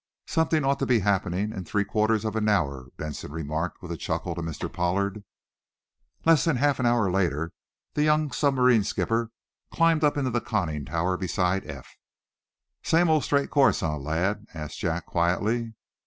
"Something ought to be happening in three quarters of an hour," Benson remarked, with a chuckle, to Mr. Pollard. Less than half an hour later the young submarine skipper climbed up into the conning tower beside Eph. "Same old straight course, eh, lad?" asked Jack quietly.